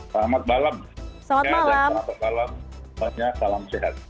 selamat malam saya ada selamat malam selamatnya salam sehat